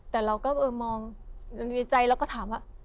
แต่เราก็เออมองยังดีใจเราก็ถามว่า